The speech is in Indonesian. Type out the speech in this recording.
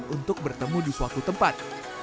untuk bertemu di suatu tempat